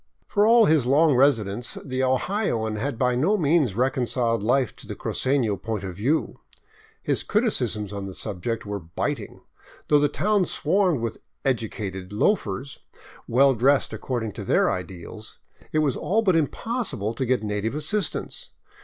For all his long residence, the Ohioan had by no means reconciled life to the cruceno point of view. His criticisms on this subject were biting. Though the town swarmed with " educated " loafers, well dressed according to their ideals, it was all but impossible to get native assistants.